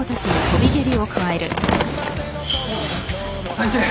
サンキュー。